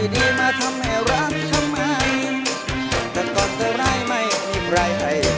นี่